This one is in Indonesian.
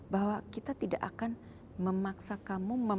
bahwa kita tidak akan memaksa kamu